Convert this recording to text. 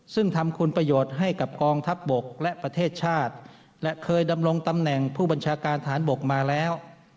ซึ่งทำคุณประโยชน์ให้กับกองทัพบกและประเทศชาติและเคยดำรงตำแหน่งผู้บัญชาการฐานบกมาแล้ว